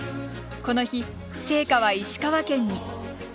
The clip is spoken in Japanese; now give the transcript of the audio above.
この日、聖火は石川県に。